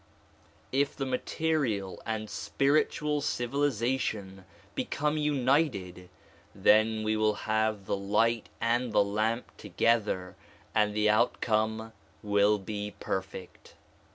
If the material and spiritual civiliza tion become united, then we will have the light and the lamp to gether and the outcome will be perfect.